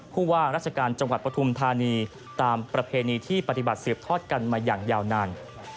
ผู้ว่าราชการจังหวัดปฐุมธานีตามประเพณีที่ปฏิบัติสืบทอดกันมาอย่างยาวนาน